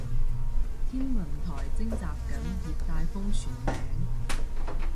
天文台徵集緊熱帶風旋名